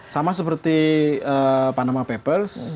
sama seperti panama papers